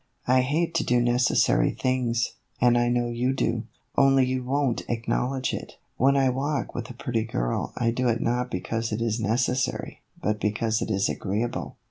"I hate to do necessary things, and I know you do, only you won't acknowledge it. When I walk with a pretty girl I do it not because it is necessary, but because it is agreeable."